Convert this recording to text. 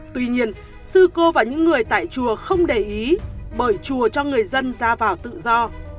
tuy nhiên sư cô và những người tại chùa không để ý bởi chùa cho người dân ra vào tự do